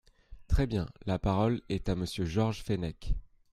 Très bien ! La parole est à Monsieur Georges Fenech.